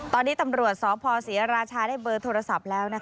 ตอนนี้ตำรวจสพศรีราชาได้เบอร์โทรศัพท์แล้ว